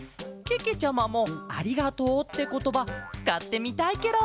けけちゃまも「ありがとう」ってことばつかってみたいケロ。